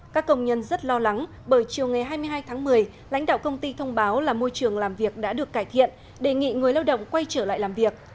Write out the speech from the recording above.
các công nhân rất lo lắng bởi chiều ngày hai mươi hai tháng một mươi lãnh đạo công ty thông báo là môi trường làm việc đã được cải thiện đề nghị người lao động quay trở lại làm việc